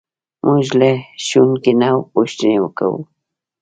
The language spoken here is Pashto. موږ له ښوونکي نه پوښتنې کوو.